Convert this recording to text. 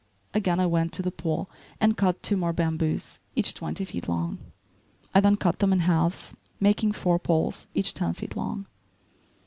Again I went to the pool and cut two more bamboos, each twenty feet long. I then cut them in halves, making four poles each ten feet long.